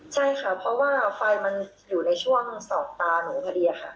ใช่ค่ะเพราะว่าไฟมันอยู่ในช่วงสอบตาหนูพอดีค่ะ